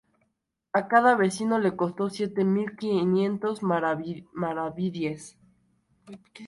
A cada vecino le costó siete mil quinientos maravedíes.